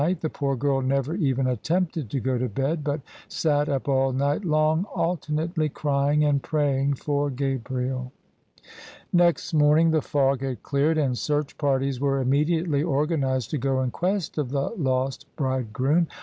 The poor girl never even attempted to go to bed ; but sat up all night long alternately crying and praying for Gabriel. Next morning the fog had cleared; and search parties were immediately organized to go in quest of the lost bride groom.